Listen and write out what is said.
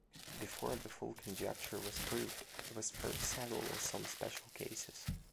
Before the full conjecture was proved, it was first settled in some special cases.